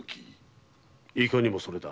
いかにもそれだ。